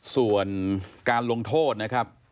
ส่วนการลงโทษนะครับ